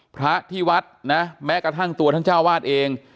พระที่วัดนะแม้กระทั่งตัวท่านเจ้าวาดเอง